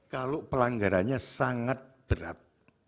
kalau pelanggarannya sangat berat